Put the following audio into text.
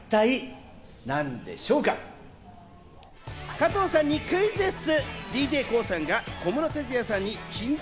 加藤さんにクイズッス！